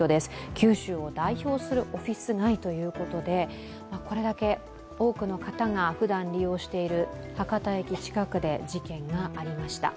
九州を代表するオフィス街ということで、これだけ多くの方がふだん利用している博多駅近くで事件がありました。